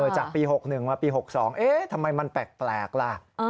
จากปี๖๑มาปี๖๒ทำไมมันแปลกล่ะ